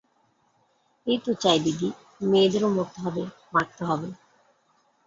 এই তো চাই দিদি, মেয়েদেরও মরতে হবে, মারতে হবে।